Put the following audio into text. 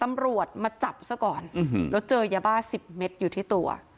ตำรวจมาจับซะก่อนแล้วเจอยาบ้าสิบเมตรอยู่ที่ตัว